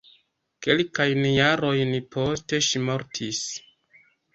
Kelkajn jarojn poste ŝi mortis.